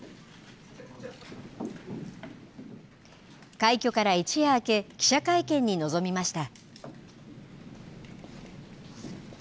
快挙から一夜明け記者会見に臨みました。